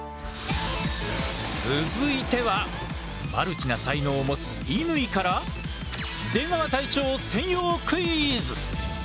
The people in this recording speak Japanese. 続いてはマルチな才能を持つ乾から出川隊長専用クイズ！